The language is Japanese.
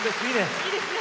いいですね。